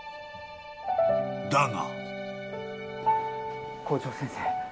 ［だが］